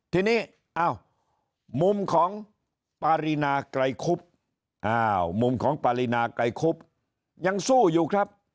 ทีนี้อ้าวมุมของปารีนาไกรคุบอ้าวมุมของปารีนาไกรคุบยังสู้อยู่ครับ